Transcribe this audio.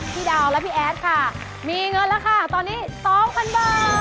พี่ดาวและพี่แอดค่ะมีเงินแล้วค่ะตอนนี้๒๐๐๐บาท